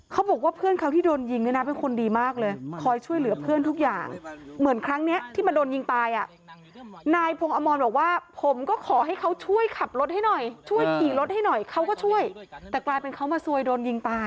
เขาบอกว่าเพื่อนเขาที่โดนยิงสร้างความรู้ชน